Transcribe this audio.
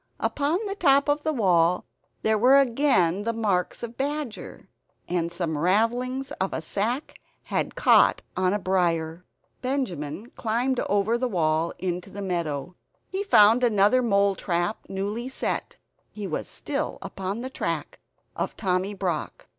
Upon the top of the wall there were again the marks of badger; and some ravellings of a sack had caught on a briar. Benjamin climbed over the wall, into a meadow. He found another mole trap newly set; he was still upon the track of Tommy Brock.